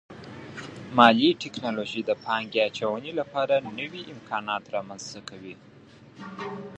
مالي ټکنالوژي د پانګې اچونې لپاره نوي امکانات رامنځته کوي.